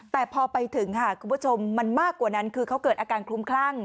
แต่พอไปถึงค่ะคุณผู้ชมมันมากกว่านั้นคือเขาเกิดอาการคลุ้มคลั่ง